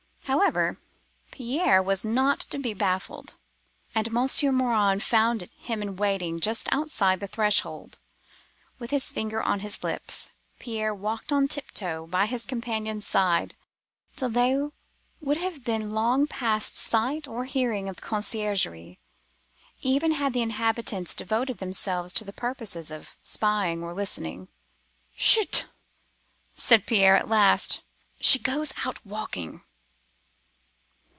However, Pierre was not to be baffled, and Monsieur Morin found him in waiting just outside the threshold. With his finger on his lips, Pierre walked on tiptoe by his companion's side till they would have been long past sight or hearing of the conciergerie, even had the inhabitants devoted themselves to the purposes of spying or listening. "'Chut!' said Pierre, at last. 'She goes out walking.